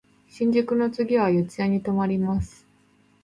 新宿の次は四谷に止まります。